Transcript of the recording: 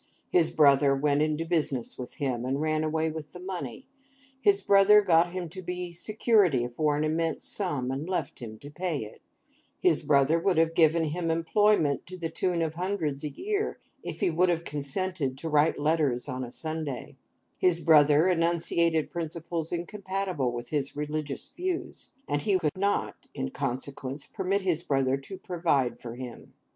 His brother went into business with him, and ran away with the money; his brother got him to be security for an immense sum and left him to pay it; his brother would have given him employment to the tune of hundreds a year, if he would have consented to write letters on a Sunday; his brother enunciated principles incompatible with his religious views, and he could not (in consequence) permit his brother to provide for him.